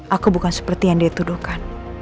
aku bukan seperti yang dituduhkan